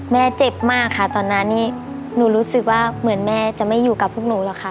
แม่เจ็บมากค่ะตอนนั้นนี่หนูรู้สึกว่าเหมือนแม่จะไม่อยู่กับพวกหนูหรอกค่ะ